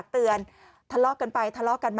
ขึ้นเสียงให้ผมทำไมล่ะ